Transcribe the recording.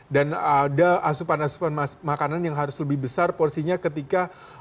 dan ada asupan asupan makanan yang harus lebih besar porsinya ketika akan bertanding